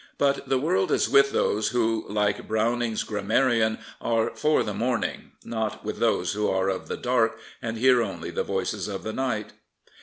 But the world is with those who, like Browning's Grammarian, are " for the morning," not with those who are of the dark and hear only the voices of the night.